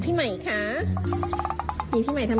พี่ใหม่สวยไหม